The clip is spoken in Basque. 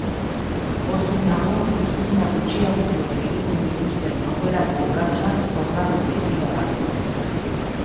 Pozik nago hizkuntza gutxiagotuek egiten dituzten aurrerako urratsak pozgarri zaizkidalako.